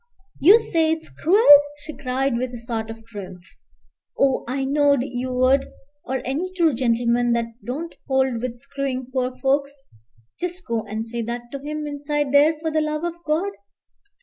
"You say it's cruel!" she cried with a sort of triumph. "Oh, I knowed you would, or any true gentleman that don't hold with screwing poor folks. Just go and say that to him inside there for the love of God.